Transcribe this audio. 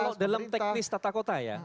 kalau dalam teknis tata kota ya